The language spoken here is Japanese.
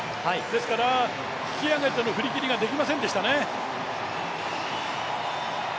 ですから、引き上げての振り切りができませんでしたね。